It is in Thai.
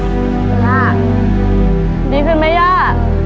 คุณย่าดีขึ้นไหมย่า